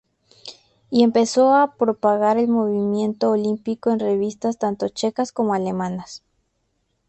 Y empezó a propagar el Movimiento Olímpico en revistas tanto checas como alemanas.